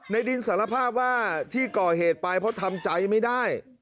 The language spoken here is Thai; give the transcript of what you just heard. ดินสารภาพว่าที่ก่อเหตุไปเพราะทำใจไม่ได้